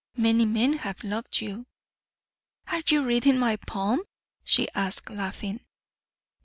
Many men have loved you." "Are you reading my palm?" she asked, laughing.